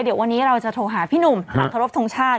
เดี๋ยววันนี้เราจะโทรหาพี่หนุ่มอัครบทรงชาติ